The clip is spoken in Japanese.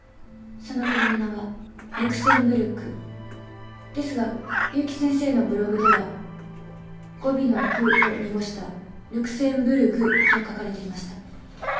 その国の名は「ルクセンブルク」ですが結城先生のブログでは語尾の「ク」を濁した「ルクセンブルグ」と書かれていました。